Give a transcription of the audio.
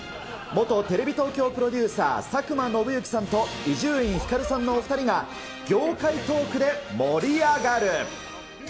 元テレビ東京プロデューサー、佐久間宣行さんと伊集院光さんのお２人が、業界トークで盛り上がる。